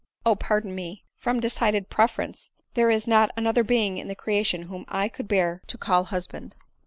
" Oh ! pardon me ; from decided preference, — there is not another being in the creation whom I could bear to call husband."